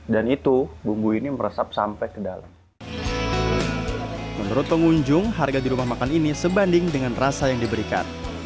dan itu bumbu ini meresap sampai ke dalam menurut pengunjung harga di rumah makan ini sebanding dengan rasa yang diberikan